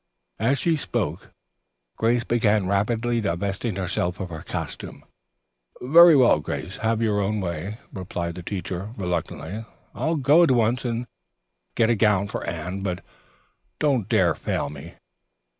As she spoke, Grace began rapidly divesting herself of her costume. "Very well, Grace, have your own way," replied the teacher reluctantly. "I'll go at once and get a gown for Anne. But don't dare to fail me."